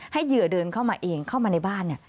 เหยื่อเดินเข้ามาเองเข้ามาในบ้านเนี่ย